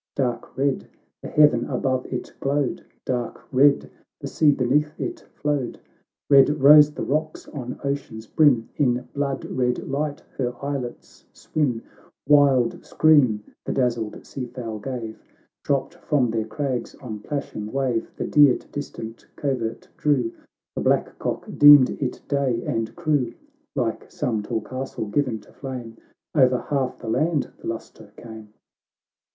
Dark red the heaven above it glowed, Dark red the sea beneath it flowed, lied rose the rocks on ocean's brim, In blood red light her islets swim ; "Wild scream the dazzled sea fowl gave, Dropped from their crags on plashing wave ; The deer to distant covert drew, The black cock deemed it day, and crew. Like some tall castle given to flame, O'er half the land the lustre came.